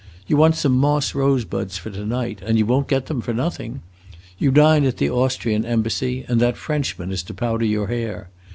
You want some moss rosebuds for to night, and you won't get them for nothing! You dine at the Austrian Embassy, and that Frenchman is to powder your hair.